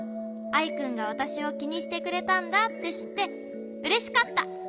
アイくんがわたしをきにしてくれたんだってしってうれしかった。